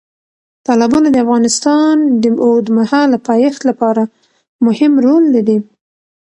تالابونه د افغانستان د اوږدمهاله پایښت لپاره مهم رول لري.